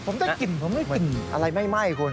ผมได้กลิ่นผมไม่กลิ่นอะไรไหม้คุณ